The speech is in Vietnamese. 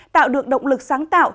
tạo được động lực sáng tạo